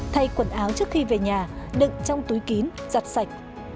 thay quần áo trước khi về nhà đựng trong túi kín giặt sạch